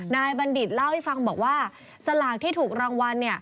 บัณฑิตเล่าให้ฟังบอกว่าสลากที่ถูกรางวัล